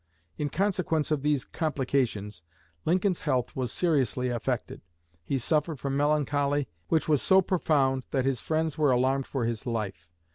In consequence of these complications, Lincoln's health was seriously affected. He suffered from melancholy, which was so profound that "his friends were alarmed for his life."